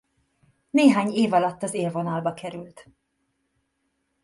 Néhány év alatt az élvonalba került.